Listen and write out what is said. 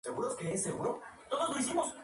Son pequeñas, de forma ovalada.